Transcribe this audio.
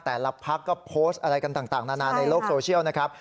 พักก็โพสต์อะไรกันต่างนานาในโลกโซเชียลนะครับ